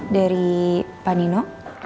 dari pak nino